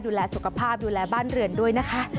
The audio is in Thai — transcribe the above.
ดูแลสุขภาพดูแลบ้านเรือนด้วยนะคะ